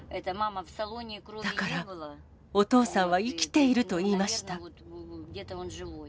だからお父さんは生きていると言いました。